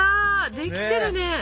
できてるね。